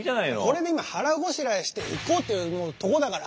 これで今腹ごしらえして行こうってとこだから。